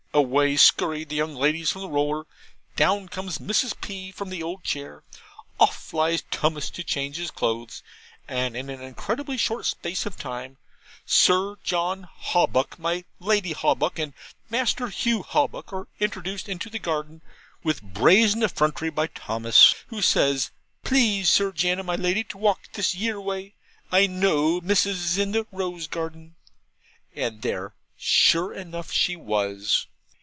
Away skurry the young ladies from the roller, down comes Mrs. P. from the old chair, off flies Tummus to change his clothes, and in an incredibly short space of time Sir John Hawbuck, my Lady Hawbuck, and Master Hugh Hawbuck are introduced into the garden with brazen effrontery by Thomas, who says, 'Please Sir Jan and my Lady to walk this year way: I KNOW Missus is in the rose garden.' And there, sure enough, she was!